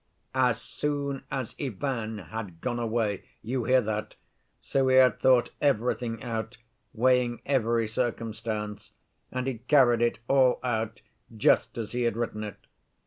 'As soon as Ivan had gone away'—you hear that; so he had thought everything out, weighing every circumstance, and he carried it all out just as he had written it.